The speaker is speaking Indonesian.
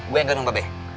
gue yang gendong pak be